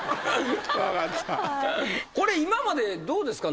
これ今までどうですか？